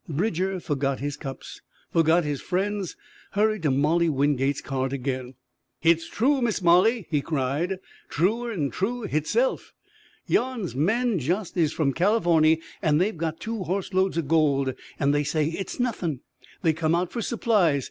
Bridger forgot his cups, forgot his friends, hurried to Molly Wingate's cart again. "Hit's true, Miss Molly!" he cried "truer'n true hitself! Yan's men just in from Californy, an' they've got two horseloads o' gold, an' they say hit's nothin' they come out fer supplies.